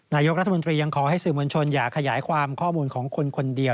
นายกรัฐมนตรียังขอให้สื่อมวลชนอย่าขยายความข้อมูลของคนคนเดียว